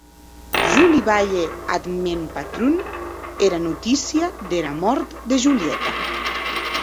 Jo li balhè ath mèn patron era notícia dera mòrt de Julieta.